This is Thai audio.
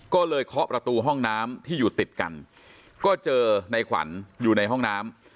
ก็เลยเคาะประตูห้องน้ำที่อยู่ติดกันก็เจอในขวัญอยู่ในห้องน้ำ